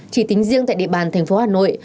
chỉ tính riêng tại địa bàn thành phố hà nội